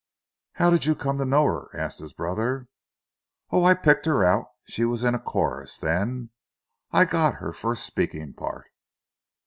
"How did you come to know her?" asked his brother. "Oh, I picked her out. She was in a chorus, then. I got her first speaking part."